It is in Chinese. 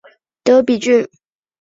德比郡。